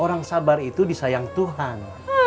ibu itu disayang tuhan